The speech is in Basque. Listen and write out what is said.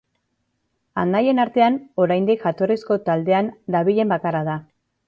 Anaien artean, oraindik jatorrizko taldean dabilen bakarra da.